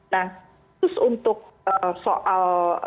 nah terus untuk soal